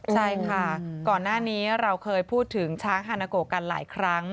ใช่ค่ะก่อนหน้านี้เราเคยพูดถึงช้างฮานาโกกันหลายครั้ง